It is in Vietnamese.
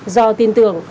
do tin tưởng